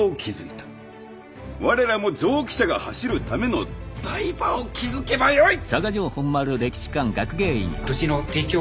我らも蒸気車が走るための台場を築けばよい！